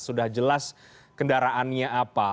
sudah jelas kendaraannya apa